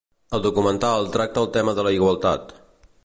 El documental tracta el tema de la igualtat.